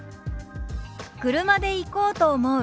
「車で行こうと思う」。